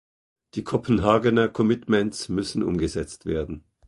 Die Kopenhagener commitments müssen umgesetzt werden.